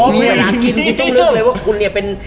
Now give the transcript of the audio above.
มีอาหารกินกูต้องลืมเลยว่าคุณเนี่ยเป็น